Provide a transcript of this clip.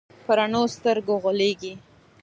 په رڼو سترګو غولېږي.